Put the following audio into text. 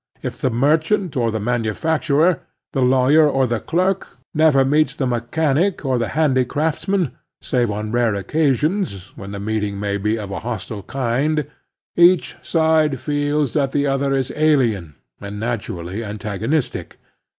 If the merchant or the manufacturer, the lawyer or the clerk, never meets the mechanic or the handicraftsman, save on rare occasions, when the meeting may be of a hostile kind, each side feels that the other is alien and naturally antagonistic.